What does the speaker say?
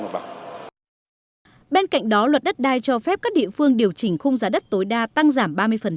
bên cạnh đó luật đất đai cho phép các địa phương điều chỉnh khung giá đất tối đa tăng giảm ba mươi